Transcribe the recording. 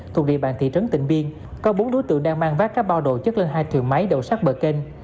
thuộc địa bàn thị trấn tỉnh biên có bốn đối tượng đang mang vác các bao đồ chất lên hai thuyền máy đổ sát bờ kênh